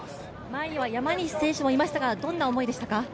前には山西選手もいましたがどんな思いでしたか？